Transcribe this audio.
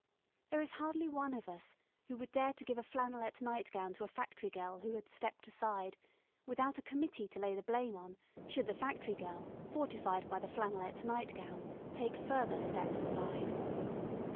There is hardly one of us who would dare to give a flannelette nightgown to a Factory Girl who had Stepped Aside, without a committee to lay the blame on, should the Factory Girl, fortified by the flannelette nightgown, take Further Steps Aside.